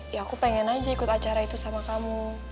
ya aku pengen aja ikut acara itu sama kamu